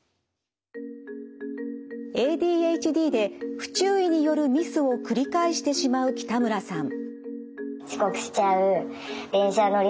ＡＤＨＤで不注意によるミスを繰り返してしまう北村さん。